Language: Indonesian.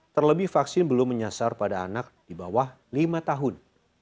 terlebih vaksin belum menyasar pada anak di bawah lima tahun